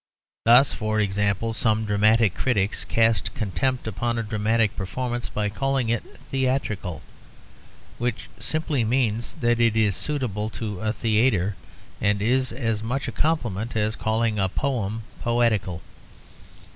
Thus, for example, some dramatic critics cast contempt upon a dramatic performance by calling it theatrical, which simply means that it is suitable to a theatre, and is as much a compliment as calling a poem poetical.